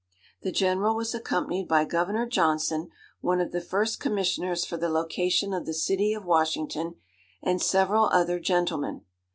The General was accompanied by Governor Johnson, one of the first commissioners for the location of the city of Washington, and several other gentlemen.